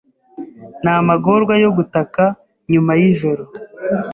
Namagorwa yo gutaka Nyuma yijoro